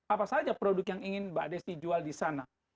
apa saja produk yang ingin mbak desti jual di sana